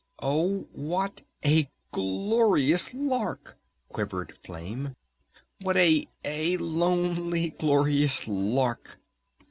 "Oh, what a glorious lark!" quivered Flame. "What a a lonely glorious lark!"